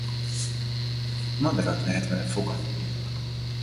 Madarat lehet vele fogatni.